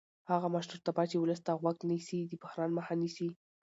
هغه مشرتابه چې ولس ته غوږ نیسي د بحران مخه نیسي